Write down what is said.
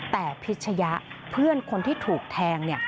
แต่พิชยะเพื่อนคนที่ถูกแทง